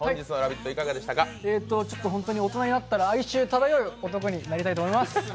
本当に大人になったら哀愁漂う男になりたいと思います。